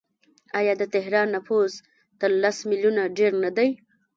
آیا د تهران نفوس تر لس میلیونه ډیر نه دی؟